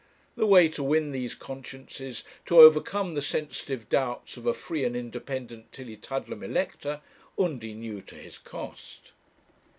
The way to win these consciences, to overcome the sensitive doubts of a free and independent Tillietudlem elector, Undy knew to his cost.